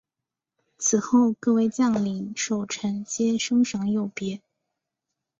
此后各位将领守臣皆升赏有别。